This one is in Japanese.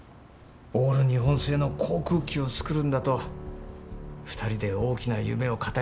オール日本製の航空機を作るんだと２人で大きな夢を語り合っていたので。